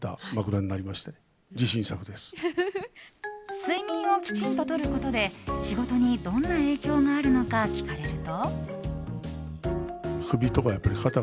睡眠をきちんととることで仕事にどんな影響があるのか聞かれると。